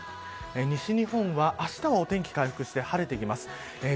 西日本は、あしたはお天気回復して晴れてきます。